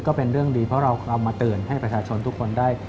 ก็เป็นเรื่องดีเพราะเราเอามาเตือนให้ประชาชนทุกคนได้